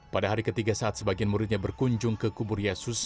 pada hari ketiga saat sebagian muridnya berkunjung ke kubur yesus